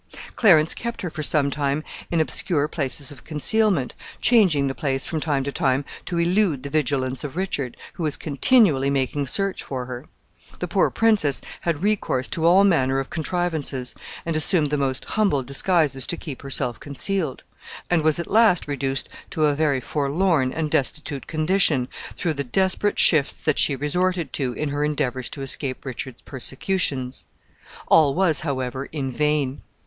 Clarence kept her for some time in obscure places of concealment, changing the place from time to time to elude the vigilance of Richard, who was continually making search for her. The poor princess had recourse to all manner of contrivances, and assumed the most humble disguises to keep herself concealed, and was at last reduced to a very forlorn and destitute condition, through the desperate shifts that she resorted to, in her endeavors to escape Richard's persecutions. All was, however, in vain.